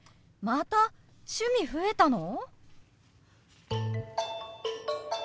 また趣味増えたの！？